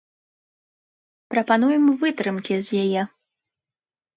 Прапануем вытрымкі з яе.